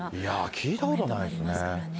聞いたことないですね。